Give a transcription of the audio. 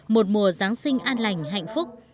một mùa giáng sinh an lành hạnh phúc